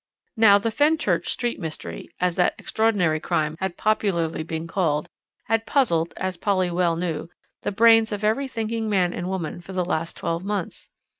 Now the Fenchurch Street mystery, as that extraordinary crime had popularly been called, had puzzled as Polly well knew the brains of every thinking man and woman for the last twelve months.